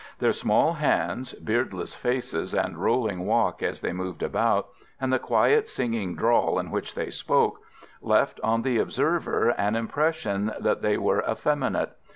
Their small hands, beardless faces, and rolling walk as they moved about, and the quiet, singing drawl in which they spoke, left on the observer an impression that they were effeminate.